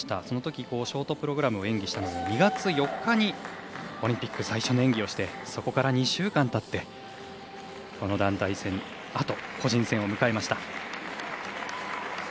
そのとき、ショートプログラムの演技をして２月４日にオリンピック最初の演技をしてそこから２週間たって団体戦のあと個人戦を迎えました。